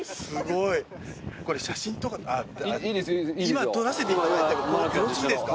今撮らせていただいてもよろしいですか？